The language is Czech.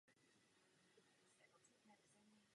Tato daň je v rozporu s vnitřním trhem.